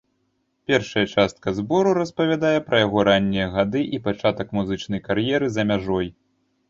Першая частка збору распавядае пра яго раннія гады і пачатак музычнай кар'еры за мяжой.